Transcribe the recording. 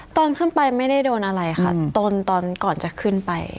ตอนขึ้นไปไม่ได้โดนอะไรค่ะตอนก่อนจะขึ้นไป